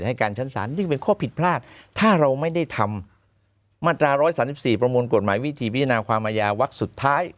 ให้การชั้นศาลซึ่งเป็นข้อผิดพลาดถ้าเราไม่ได้ทำมาตรา๑๓๔ประมวลกฎหมายวิธีพิจารณาความอาญาวักสุดท้าย